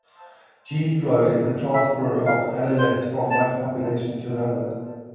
"Gene flow" is the transfer of alleles from one population to another.